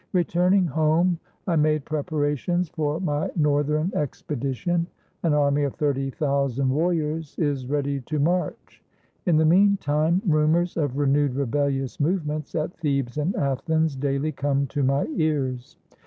Returning home I made preparations for my northern expedition. An army of thirty thousand war riors is ready to march. In the mean time rumors of renewed rebelHous movements at Thebes and Athens daily come to my ears.